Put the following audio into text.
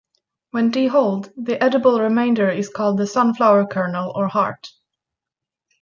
When dehulled, the edible remainder is called the sunflower kernel or heart.